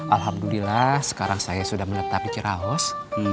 alhamdulillah sekarang saya sudah menetap di ciraos